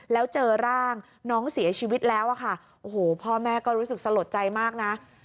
แล้วเจอร่างน้องเสียชีวิตแล้วอะค่ะโอ้โหพ่อแม่ก็รู้สึกสลดใจมากนะ